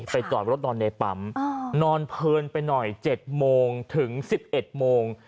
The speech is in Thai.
จอดรถนอนในปั๊มนอนเพลินไปหน่อย๗โมงถึง๑๑โมง